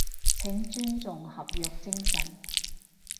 請尊重合約精神